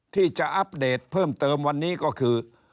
ที่จะอัปเดตเพิ่มเติมวันนี้ก็คือ